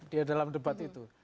dia dalam debat itu